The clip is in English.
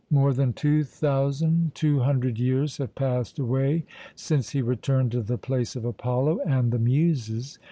More than two thousand two hundred years have passed away since he returned to the place of Apollo and the Muses.